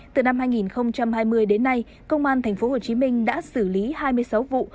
từ năm hai nghìn hai mươi đến nay công an tp hcm đã xử lý hai mươi sáu vụ